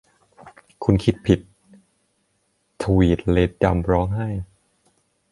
'คุณคิดผิด !' ทวีดเลดดัมร้องไห้